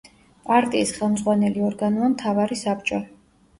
პარტიის ხელმძღვანელი ორგანოა მთავარი საბჭო.